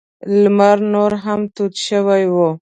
لمر نور هم تود شوی و.